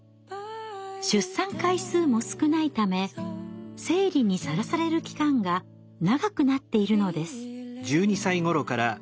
出産回数も少ないため生理にさらされる期間が長くなっているのです。